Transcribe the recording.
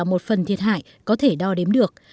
và là một phần thiệt hại có thể đo đếm được